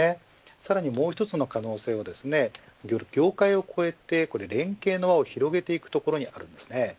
さらに、もう一つの可能性は業界を越えて連携の輪を広げていくことにあります。